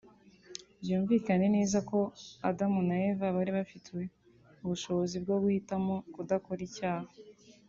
Byumvikane neza ko Adamu na Eva bari bafite ubushobozi bwo guhitamo kudakora icyaha